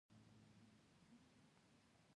بامیان د افغانستان د موسم د بدلون یو اساسي سبب کېږي.